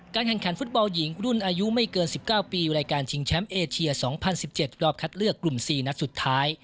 แข่งขันฟุตบอลหญิงรุ่นอายุไม่เกิน๑๙ปีในการชิงแชมป์เอเชีย๒๐๑๗รอบคัดเลือกกลุ่ม๔นัดสุดท้าย